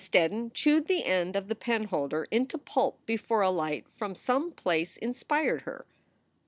Steddon chewed the end of the penholder into pulp before a light from some place inspired her.